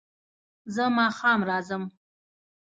زه ماښام راځم